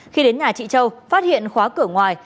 khi đến nhà chị châu phát hiện khóa cửa ngoài